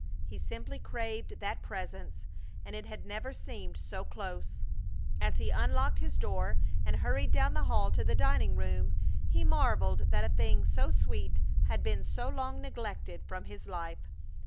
He simply craved that Presence, and it had never seemed so close. As he unlocked his door and hurried down the hall to the dining room he marveled that a thing so sweet had been so long neglected from his life.